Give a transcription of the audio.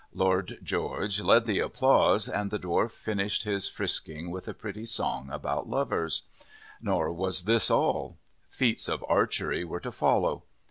Lord George led the applause, and the Dwarf finished his frisking with a pretty song about lovers. Nor was this all. Feats of archery were to follow.